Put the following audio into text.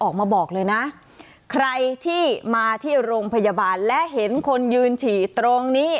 ออกมาบอกเลยนะใครที่มาที่โรงพยาบาลและเห็นคนยืนฉี่ตรงนี้